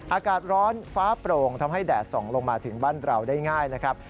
อากาศร้อนฟ้าโปร่งทำให้แดดส่องลงมาถึงบ้านเราได้ง่ายนะครับ